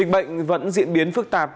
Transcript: bệnh vẫn diễn biến phức tạp